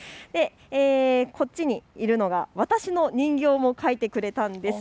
こちらにいるのが私の人形を描いてくれたんです。